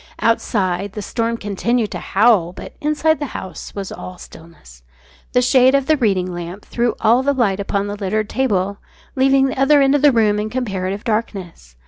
Outside, the storm continued to howl, but inside the house all was stillness. The shade of the reading lamp threw all the light upon the littered table, leaving the other end of the room in comparative darkness.